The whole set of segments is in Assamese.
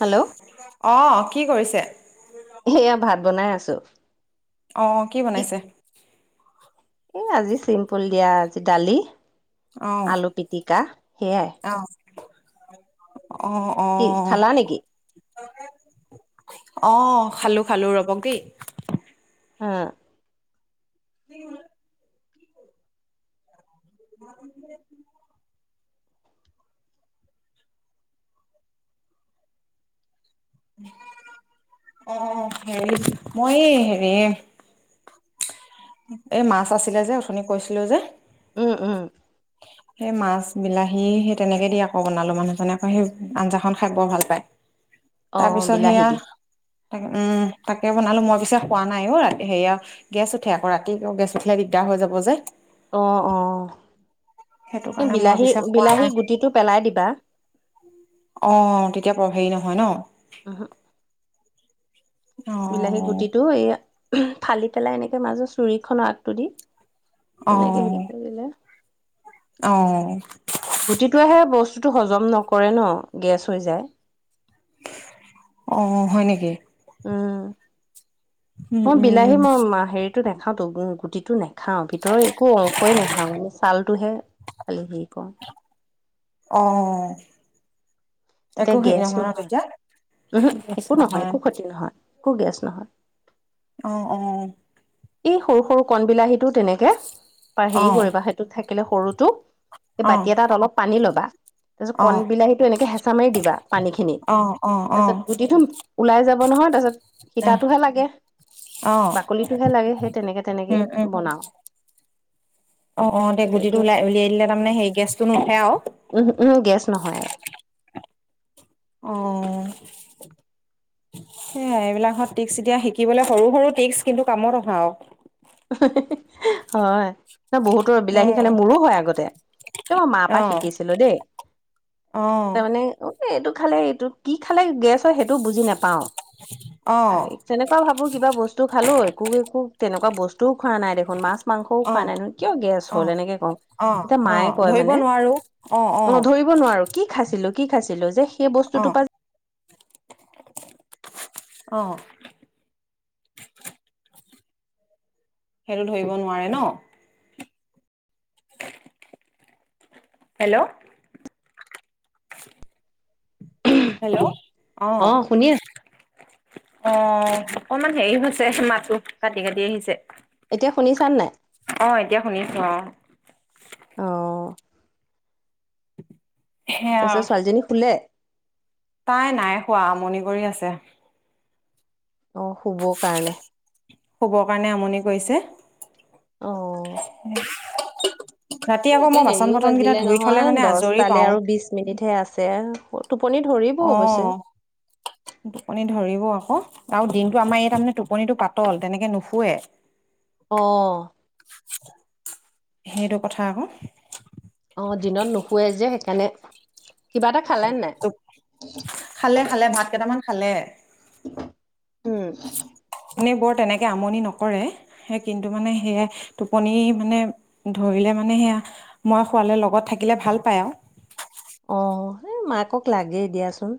হেল্ল' অ', কি কৰিছে? সেয়া ভাত বনাই আছো। অ', কি বনাইছে? এ আজি চিম্পুল দিয়া আজি দালি আলু পিটিকা অ সেয়াই অ অ কি খালা নেকি অ খালো খালো ৰবক দেই হম কি হল [unintelligible] অ হেৰি মই এ হেৰি এ মাছ আছিলে যে অথনি কৈছিলো যে, উম উম সেই মাছ বিলাহী সেই তেনেকে দি আকৌ বনালো মানুহজনে আক সেই আঞ্জাখন খাই বৰ ভাল পায়! অ তাৰপিছত বিলাহী সেয়া দি তাকে উম তাকে বনালো মই পিছে শুৱা নাইৰাতি সেয়া গেছ উঠে আক ৰাতি গেছ উঠিলে দিগদাৰ হৈ যাব যে অ অ সেইটো এই কাৰণে মই বিলাহী পিছে খোৱা বিলাহী নাই গুটিটো পেলাই দিবা অ তেতিয়া প হেৰি নহয় ন উহো অ বিলাহীৰ গুটিটো এই ফালি পেলাই এনেকৈ মাজত চুৰিখনৰ আগটো দি তেনেকে অ হেৰি কৰিলে অ গুটিটোহে বস্তুটো হজম নকৰে ন গেছ হৈ যায় অ হয় নেকি উম উম, মই বিলাহী উম। মই মা হেৰিটো নেখাওতো গুটিটো নে খাওঁ ভিতৰৰ একো অংশই নেখাওঁ ছালটোহে খালি হেৰি কৰো অ তেতিয়া একো হেৰি গেছ ন নহয় তেতিয়া? উমহু একো নহয় একো ক্ষতি নহয় একো গেছ নহয় অ অ এই সৰু সৰু কণ বিলাহীটো তেনেকে বা হেৰি অ', কৰিবা সেইটোত থাকিলে সৰুটো এ অ', বাতি এটাত অলপ পানী লবা তাৰপিছত অ', কণ বিলাহীটো এনেকে হেঁচা মাৰি দিবা পানী খিনিত অ', অ', অ', তাৰপিছত গুটিটো ওলাই যাব নহয় তাৰপিছত আহ, সীতাটোহে লাগে অ টোহে লাগে সেই তেনেকে তেনেকেই উম, উম, বনাও অ অ দে তেতিয়া গুটিটো গেছ উলাই উলিয়াই দিলে তাৰমানে হে গেছটো নুঠে আও উমহু উমহু গেছ নহয় আৰু অ সেইয়াই এইবিলাকত টিকচ এতিয়া শিকিবলে সৰু সৰু টিকছ কিন্তু কামত অহা আও হয় বহুতৰ বিলাহী উম, খালে মোৰো হয় আগতে এইটো মই মা পা অ', শিকিছিলো দেই অ', তাৰমানে অ এইটো খালে এইটো কি খালে গেছ হয় সেইটো বুজি নেপাওঁ অ', যেনেকুৱা ভাবো কিবা বস্তু খালো একো একো তেনেকুৱা বস্তু খোৱা নাই দেখোন মাছ মাংসও খোৱা অ', নাই দেখো কিয় গেছ হল অ', এনেকে কওঁ অ তেতিয়া অ মায়ে কয় ধৰিব মানে নোৱাৰো অ অ ধৰিব নোৱাৰো কি খাইছিলো কি খাইছিলো যে সেই অ', বস্তুটো পা অ সেইটো ধৰিব নোৱাৰে ন হেল্ল'। হেল্ল' অ'। শুনি আছো অ', অকমান হেৰি হৈছে মাতটো কাটি, কাটি আহিছে। এতিয়া শুনিছা নে নাই। অ', এতিয়া শুনিছোঁ অ'। অ'। সেয়া তাৰপিছত ছোৱালীজনী শুলে। তাই নাই শুৱা আমনি কৰি আছে। অ', শুব কাৰণে। শুবৰ কাৰণে আমনি কৰিছে। অ'। ৰাতি আকৌ এতিয়া মই বাচন হেৰিও বৰ্তন কেইটা বাজিলে ধুই নহয় থলে মানে আজৰি দহটালে পাওঁ। আৰু বিশ মিনিটহে আছে। টোপনি ধৰি। অহ। টোপনি ধৰিব আকৌ আৰু দিনটো আমাৰ এই তাৰমানে টোপনিটো পাতল তেনেকে নুশুৱে। [inaudible] অ'। সেইটো কথা আকৌ। অ', দিনত নুশুৱে যে সেইকাৰণে কিবা এটা খালে নে নাই? খালে খালে ভাত কেইটামান খালে। উম। এনে বৰ তেনেকে আমনি নকৰে। সে কিন্তু মানে সেয়াই টোপনি মানে ধৰিলে মানে সেয়া মই শোৱালে লগত থাকিলে ভাল পায় আৰু। অ', এই মাকক লাগেই দিয়াচোন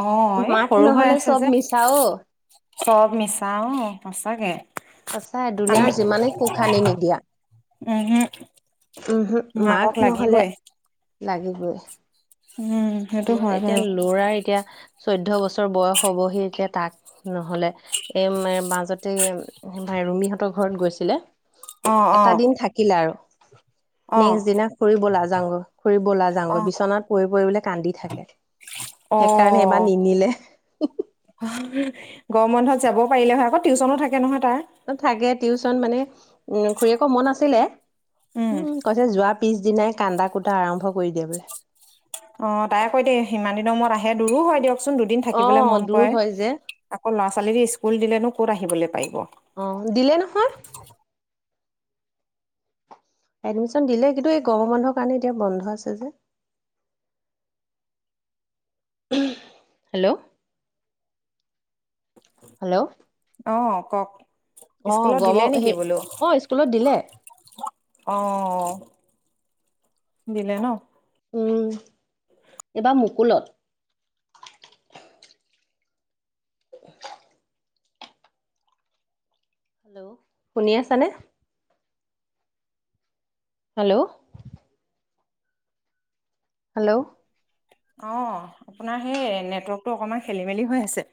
অঁ এই মাক সৰু হৈ নহ'লে আছে চব যে মিছা অ'। চব মিছা অ', সঁচাকে। সঁচাই দুুনীয়াৰ যিমানে সুখ আনি নিদিয়া। উম হুম। উম হম মাক নহ'লে লাগিবই। উম। সেইটো আমাৰ হয় এতিয়া বাৰু লৰাই এতিয়া চৈধ্য বছৰ বয়স হবহি এতিয়া তাক নহ'লে এ মাজতে ৰুমিহঁতৰ ঘৰত গৈছিলে। অঁ এটা অঁ দিন থাকিলে আৰু। অঁ নেক্সট দিনা খুৰি বলা যাংগৈ খুৰিবলা অঁ যাংগৈ বিচনাত পৰি, পৰি বোলে। কান্দি থাকে সেইকাৰণে এবাৰ অঁ নিনিলে। গৰম বন্ধত যাব পাৰিলে হয় আকৌ টিউচনো থাকে নহয় তাৰ। থাকে টিউচন মানে উম খুৰীয়েকৰ মন আছিলে উম কৈছে যোৱা। পিছ দিনাই কান্দা কুটা আৰম্ভ কৰি দিয়ে বোলে। অ', তাই কয় দেই ইমান দিনৰ মূৰত আহে দূৰো হয় দিয়কচোন দুদিন অ থাকিবলৈ মন দূৰ কৰে। হয় যে আকৌ ল'ৰা ছোৱালী স্কুল দিলেনো ক'ত আহিবলৈ পাৰিব। অ', দিলে নহয়। এডমিশ্যন দিলে কিন্তু এই গৰম বন্ধৰ কাৰণে এতিয়া বন্ধ আছে যে হেল্ল, ' হেল্ল'। অ' কওঁক, অ স্কুলত দিলে গৰমৰ নেকি সেই বোলো? অ স্কুলত দিলে অ' দিলে ন'। উম, এইবাৰ মুকুলত। [inaudible] হেল্ল' শুনি আছানে? হেল্ল'। হেল্ল'। অ' আপোনাৰ সেই নেটৱৰ্কটো অকণমান খেলি মেলি হৈ আছে।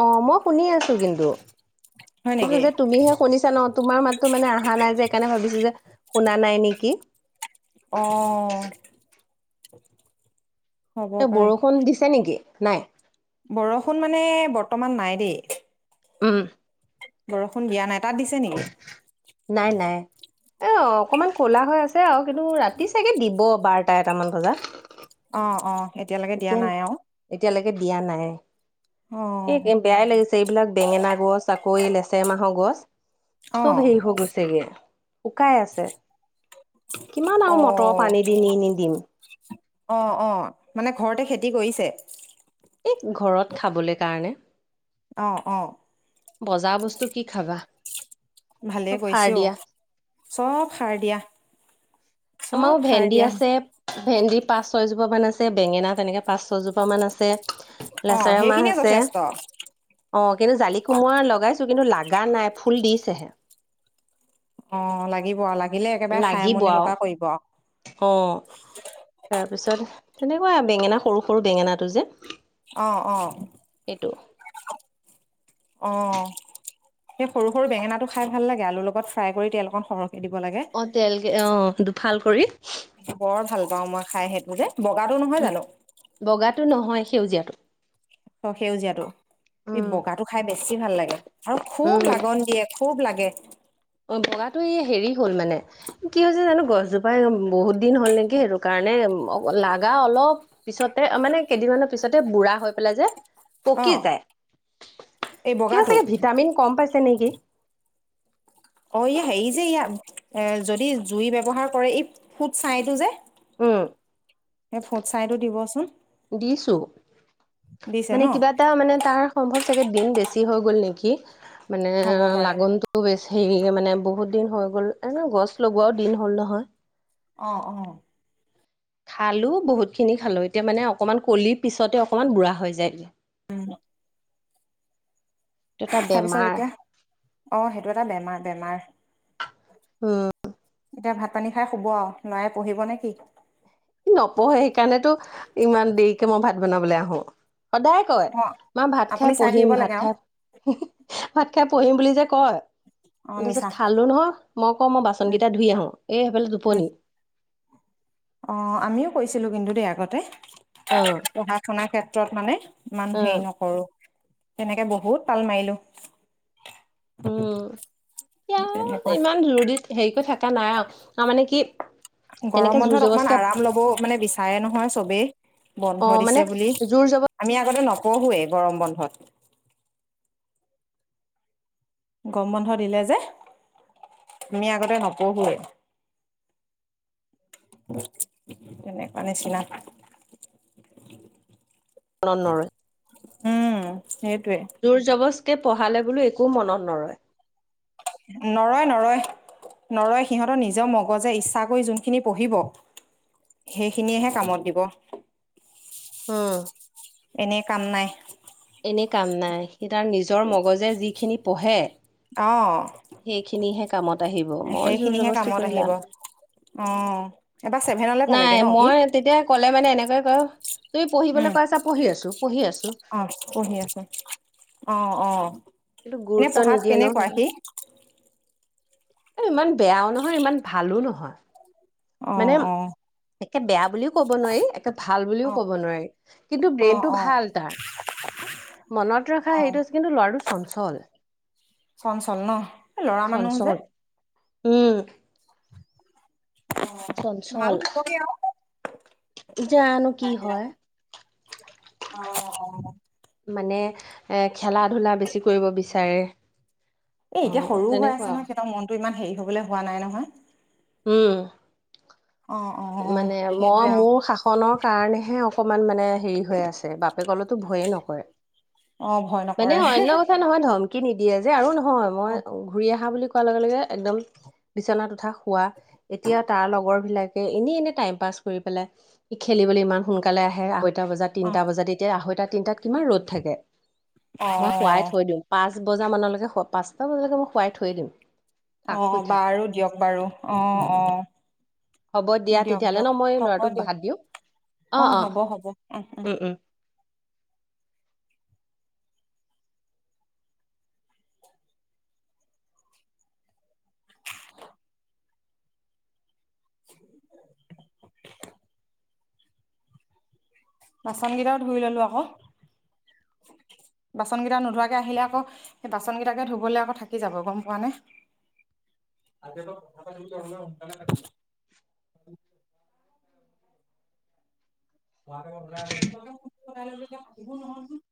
অ' মই শুনি আছোঁ কিন্তু, হয় কিন্ত নেকি যে তুমি শুনিছা ন'? তোমাৰ মাতটো মানে অহা নাই যে সেইকাৰণে ভাবিছোঁ যে শুনা নাই নেকি। অ'। এ, বৰষুণ দিছে নেকি নাই? বৰষুণ মানে বৰ্তমান নাই দেই। উম। বৰষুণ দিয়া নাই। তাত দিছে নেকি? নাই নাই। অ' অকণমান ক'লা হৈ আছে আৰু কিন্তু ৰাতি চাগে দিব বাৰটা এটামান বজাত। অ', অ' এতিয়ালৈকে দিয়া এতিয়া নাই আৰু। এতিয়ালৈকে দিয়া নাই। এই অঁ [unintelligible] বেয়াই লাগিছে, এইবিলাক বেঙেনা গছ, আকৌ এই লেছেৰা মাহৰ গছ। অঁ চব হেৰি হৈ গৈছেগে, শুকাই আছে। কিমান আৰু মটৰৰ পানী দি নি নি দিম। অ', অ' মানে ঘৰতে খেতি কৰিছে? ঘৰত খাবলে কাৰণে। অ', অ'। বজাৰৰ বস্তু কি খাবা। ভালে চব সাৰ কৰিছে দিয়া অ', চব সাৰ দিয়া। চব আমাৰো সাৰ ভেণ্ডি দিয়া আছে ভেণ্ডি পাঁচ ছয়জোপা মান আছে বেঙেনা তেনেকে পাঁচ ছয়জোপা মান আছে। অঁ লেচাৰ মাহ সেইখিনিয়ে আছে যথেষ্ট অ' কিন্তু জালি কোমুৰা লগাই কিন্তু লাগা নাই, ফুল দিছেহে। অ' লাগিব, লাগিলে একেবাৰে খাই লাগিব আমনি আৰু লগা কৰিব আৰু। অ তাৰপিছত তেনেকুৱা বেঙেনা সৰু সৰু বেঙেনাটো যে অ', অ'। এইটো। অ' সেই সৰু সৰু বেঙেনাটো খাই ভাল লাগে, আলুৰ লগত ফ্ৰাই কৰি তেল অকণ সৰহকৈ দিব লাগে। অ তেল কে, অ' দুফাল কৰি। বৰ ভাল পাও মই খাই সেইটো যে, বগাটো নহয় জানো? বগাটো নহয় সেউজীয়াটো। অ' সেউজীয়াটো, ই উম বগাটো খাই বেছি ভাল লাগে আৰু খুব উম লাগন দিয়ে। খুব লাগে। অ' বগাটো এই হেৰি হ'ল মানে কি হৈছে জানো গছজোপাই বহুত দিন হ'ল নেকি সেইটো কাৰণে অ-লাগা অলপ পিছতে মানে কেইদিনমানৰ পিছতে বুঢ়া হৈ পেলাই যে অ পকি যায়। এই কিবা বগাটো চাগে ভিটামিন কম পাইছে নেকি। অ, ই হেৰি যে ইয়া এ যদি জুই ব্যৱহাৰ কৰে এই ফুট ছাইটো যে উম সেই ফুট চাইটো দিবচোন। দিছো দিছে ন। তাৰ মানে তাৰ সম্ভৱ চাগে দিন বেছি হৈ গ'ল নেকি? মানে হ'ব পাৰে লাগ আৰু বেছি হেৰি মানে বহুত দিন হৈ গ'ল এনে গছ লগোৱাও দিন হ'ল নহয়। অ অ। খালোঁ বহুতখিনি খালোঁ এতিয়া মানে অকণমান কলি পিছতে অকণমান বুঢ়া হৈ যায়। উম। এইটো এটা তাৰপিছত বেমাৰ এতিয়া অ, সেইটো এটা বেমাৰ বেমাৰ। এতিয়া ভাত পানী খাই শুব আৰু লৰাই পঢ়িব নেকি? নপঢ়ে সেইকাৰণেতো ইমান দেৰিকে মই ভাত বনাবলৈ আহো। সদায় কয় অ মা ভাত আপুনি খাই চাই থাকিব পঢ়িম ভাত লাগে আৰু খাই ভাত খাই পঢ়িম বুলি যে কয়। অ তাৰ পিছত মিছা খালো নহয়, মই কও মই বাচন উম কেইটা ধুই আহো। এই সেইফালে উম টোপনি। অ আমিও কৈছিলোঁ কিন্তু দে আগতে অ পঢ়া শুনাৰ ক্ষেত্ৰত মানে। ইমান অ হেৰি নকৰোঁ। তেনেকে বহুত পাল মাৰিলো। উম এতিয়া তেনেকুৱা ইমান জোৰদি, হেৰি কৰি থকা নাই আৰু তাৰ মানে কি? তেনেকে গৰম জোৰ বন্ধত অকমান জবজকে আৰাম লব মানে বিচাৰে নহয় চবেই। অ বন্ধ মানে দিছে বুলি। জোৰ জবজ আমি আগতে নপঢ়োয়েই গৰম বন্ধত গৰম বন্ধ দিলে যে আমি আগতে নপঢ়োৱেই। তেনেকুৱা নিচিনা। [inaudible] নন নৰে উম, সেইটোৱে। জোৰ-জবজকে পঢ়ালে বোলো একো মনত নৰয়। নৰয় নৰয়। নৰয়। সিহঁতৰ নিজৰ মগজে ইচ্ছা কৰি যোনখিনি পঢ়িব। সেইখিনিয়েহে কামত দিব। উম। এনেই কাম নাই। এনেই কাম নাই। সি তাৰ নিজৰ মগজে যিখিনি পঢ়ে। অ সেইখিনিহে কামত আহিব। মই জোৰ সেইখিনিহে জবস্তি কামত কৰি আহিব লাভ অ, এবাৰ ছেভেননলৈ নাই পালেগৈ ন সি? মই তেতিয়া ক'লে মানে এনেকৈ ক তুমি পঢ়িবলৈ উম কৈ আছা পঢ়ি আছো, পঢ়ি আছো। অ পঢ়ি আছো। অ অ কিন্তু এনে গুৰুত্ব পঢ়াত নিদিয়ে ন কেনেকুৱা সি? এই ইমান বেয়াও নহয় ইমান ভালো নহয়। অ মানে অ একে বেয়া বুলিও ক'ব নোৱাৰি একে ভাল বুলিও অ ক'ব নোৱাৰি। কিন্তু অ ব্ৰেইনটো অ ভাল তাৰ। মনত অ ৰখা সেইটো কিন্তু ল'ৰাটো চঞ্চল। চঞ্চল ন। এ ল'ৰা মানুহ যে চঞ্চল উম অ ভাল চঞ্চল হবগে আৰু জানো কি লাহে হয়। লাহে অ অ মানে এ খেলা - ধূলা বেছি কৰিব বিচাৰে। এ অ এতিয়া সৰুও হৈ তেনেকুৱা আছে নহয়। সিহঁতৰ মনটো ইমান হেৰি হবলৈ হোৱা নাই নহয়। উম অ অ অ সেইটোৱে। কনৰ কাৰণেহে অকমান মানে হেৰি হৈ আছে বাপেকলৈতো ভয়ে নকৰে। অ ভয় মানে নকৰে [unintelligible] সি নিদিয়ে যে আৰু নহয় অ মই ঘূৰি অহাৰ বুলি কোৱাৰ লগে লগে একদম বিচনাত উঠা খোৱা, এতিয়া তাৰ লগৰ বিলাকে এনেই এনেই টাইম পাছ কৰি পেলাই, খেলিবলৈ ইমান সোনকালে আহে আঢ়ৈটা বজাত, অ তিনটা বজাত এতিয়া আঢ়ৈটা, তিনটাত কিমান ৰ'দ থাকে। মই খুৱাই থৈ দিওঁ। পাঁচ বজা মানলৈকে, পাঁচটা বজালৈকে মই শুৱাই থৈ দিওঁ। অ বাৰু দিয়ক বাৰু, অ অ। হ'ব দিয়া দিয়ক তেতিয়াহ'লে দিয়ক ন মই হ'ব ল'ৰাটোক দিয়ক বাদ দিওঁ। অ হ'ব হ'ব উ উম। [unintelligible] বাচন কেইটাও ধুই ললো আকৌ। বাচন কেইটা নোধোৱাকে আহিলে আকৌ সেই বাচন কেইটাকে ধুবলৈ আকৌ থাকি যাব গম পোৱা নে। [unintelligible] [unintelligible]